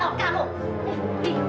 ada apa ini